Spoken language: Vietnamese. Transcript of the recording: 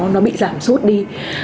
nó bị giảm suốt đi